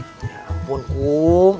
ya ampun kum